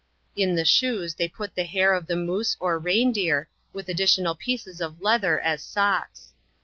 In the shoes they put the hair of the rnoose or rein deer, with additional pieces of leather as socks.